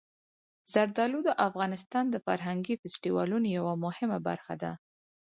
زردالو د افغانستان د فرهنګي فستیوالونو یوه مهمه برخه ده.